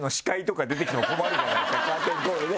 カーテンコールで。